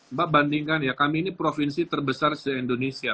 mbak bandingkan ya kami ini provinsi terbesar se indonesia